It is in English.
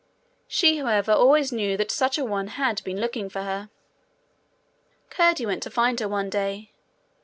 She, however, always knew that such a one had been looking for her. Curdie went to find her one day.